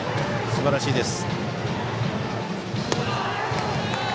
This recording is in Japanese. すばらしいです。